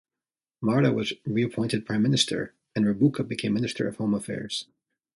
Mara was reappointed Prime Minister, and Rabuka became Minister of Home Affairs.